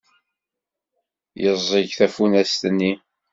Yeẓẓeg tafunast-nni.